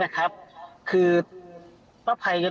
ทนายเกิดผลครับ